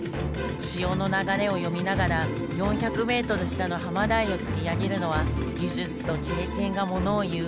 潮の流れを読みながら４００ｍ下のハマダイを釣り上げるのは技術と経験がものを言う